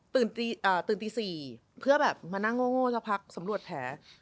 ตื่นตี๔เพื่อมานั่งโง่เพราะสำรวจแผล